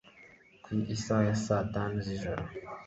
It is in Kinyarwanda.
ku isaha ya saa tanu z'ijoro